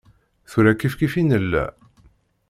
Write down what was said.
Tura kifkif i nella.